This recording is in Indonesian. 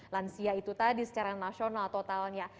lansia itu tadi secara nasional totalnya